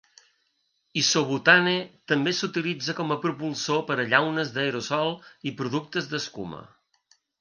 Isobutane també s'utilitza com a propulsor per a llaunes d'aerosol i productes d'escuma.